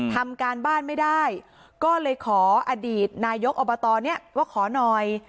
ทำการบ้านไม่ได้ก็เลยขออดีตนายกอบตนี้ว่าขอหน่อย